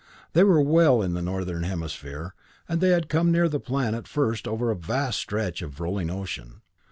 They were well in the northern hemisphere, and they had come near the planet first over a vast stretch of rolling ocean.